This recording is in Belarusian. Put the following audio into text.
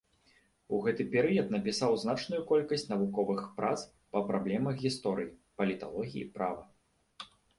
У гэты перыяд напісаў значную колькасць навуковых прац па праблемах гісторыі, паліталогіі, права.